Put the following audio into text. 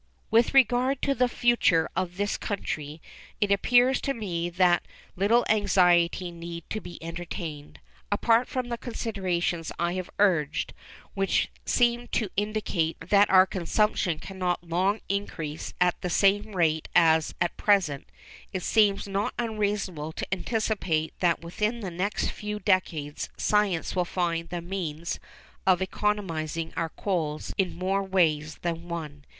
With regard to the future of this country, it appears to me that little anxiety need be entertained. Apart from the considerations I have urged, which seem to indicate that our consumption cannot long increase at the same rate as at present, it seems not unreasonable to anticipate that within the next few decades science will find the means of economising our coals in more ways than one.